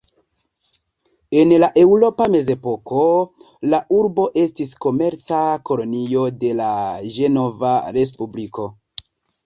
En la eŭropa mezepoko, la urbo estis komerca kolonio de la Ĝenova Respubliko.